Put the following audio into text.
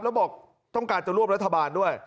แล้วบอกต้องการจะร่วมรัฐบาลด้วย